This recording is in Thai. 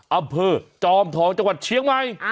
อำเภอจอมทองจังหวัดเชียงใหม่